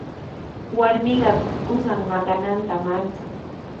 Warmiqa qusan maqananta manchan.